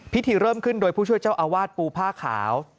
เริ่มขึ้นโดยผู้ช่วยเจ้าอาวาสปูผ้าขาว